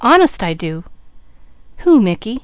Honest I do!" "Who, Mickey?"